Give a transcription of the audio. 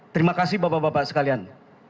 terima kasih bapak bapak sekalian